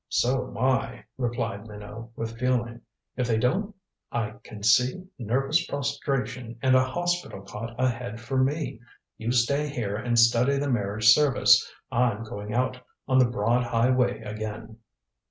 "So am I," replied Minot with feeling. "If they don't I can see nervous prostration and a hospital cot ahead for me. You stay here and study the marriage service I'm going out on the broad highway again."